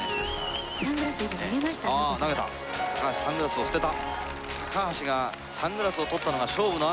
高橋サングラスを捨てた。